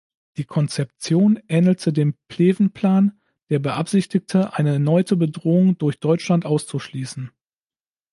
Die Konzeption ähnelte dem Pleven-Plan, der beabsichtigte, eine erneute Bedrohung durch Deutschland auszuschließen.